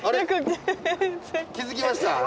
気付きました？